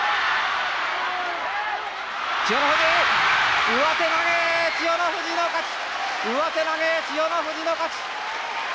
千代の富士上手投げ、千代の富士の勝ち。